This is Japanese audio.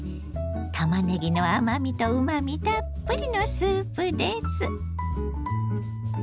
たまねぎの甘みとうまみたっぷりのスープです。